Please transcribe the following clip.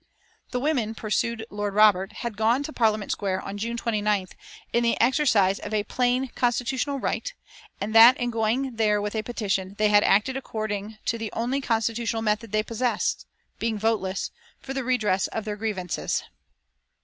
"The women," pursued Lord Robert, "had gone to Parliament Square on June 29th in the exercise of a plain constitutional right, and that in going there with a petition they had acted according to the only constitutional method they possessed, being voteless, for the redress of their grievances."